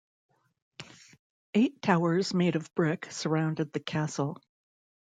Eight towers made of brick surrounded the castle.